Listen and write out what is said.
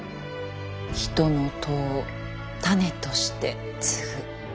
人の痘を種として接ぐ。